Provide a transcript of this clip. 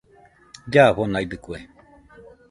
Llafonaidɨkue